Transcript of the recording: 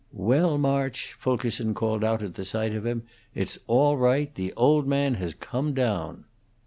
"Well, March," Fulkerson called out at sight of him, "it's all right! The old man has come down."